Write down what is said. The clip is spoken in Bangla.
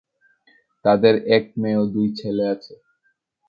তাদের এক মেয়ে ও দুই ছেলে আছে।